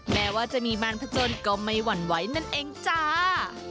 แม้ว่าจะมีมารพจนก็ไม่หวั่นไหวนั่นเองจ้า